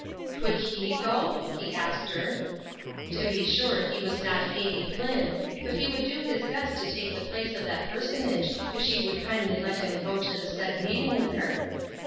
Could he go? he asked her. To be sure, he was not Katie Flinn, but he would do his best to take the place of that personage if she would kindly let him go to the said meeting with her.